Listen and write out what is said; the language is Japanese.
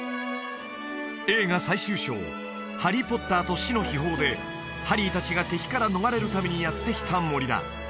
映画最終章「ハリー・ポッターと死の秘宝」でハリー達が敵から逃れるためにやって来た森だ